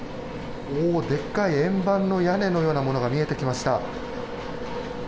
でっかい円盤の屋根のようなものが見えてきました。